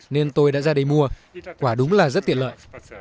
nên tôi đã ra đây mua quả đúng là rất tiện lợi